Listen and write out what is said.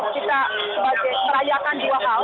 kita merayakan dua hal